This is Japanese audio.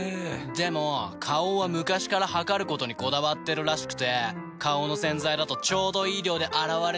でも花王は昔から量ることにこだわってるらしくて花王の洗剤だとちょうどいい量で洗われてるなって。